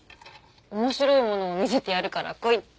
面白いものを見せてやるから来いって。